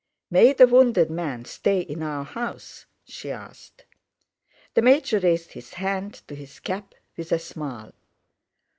"May the wounded men stay in our house?" she asked. The major raised his hand to his cap with a smile.